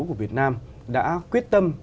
của việt nam đã quyết tâm